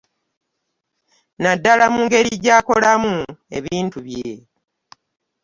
Naddala mu ngeri gy'akolamu ebintu bye.